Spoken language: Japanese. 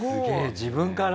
自分から？